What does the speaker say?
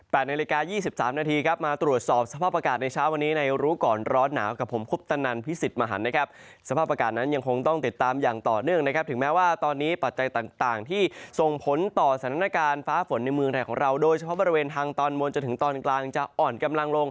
นาฬิกายี่สิบสามนาทีครับมาตรวจสอบสภาพอากาศในเช้าวันนี้ในรู้ก่อนร้อนหนาวกับผมคุปตนันพิสิทธิ์มหันนะครับสภาพอากาศนั้นยังคงต้องติดตามอย่างต่อเนื่องนะครับถึงแม้ว่าตอนนี้ปัจจัยต่างต่างที่ส่งผลต่อสถานการณ์ฟ้าฝนในเมืองไทยของเราโดยเฉพาะบริเวณทางตอนบนจนถึงตอนกลางจะอ่อนกำลังลง